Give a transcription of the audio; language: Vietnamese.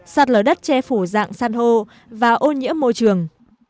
sạt lở đất che phủ dạng san hô và ô nhiễm môi trường